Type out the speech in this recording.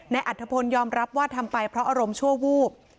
อัธพลยอมรับว่าทำไปเพราะอารมณ์ชั่ววูบ